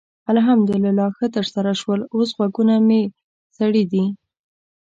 الحمدلله ښه ترسره شول؛ اوس غوږونه مې سړې دي.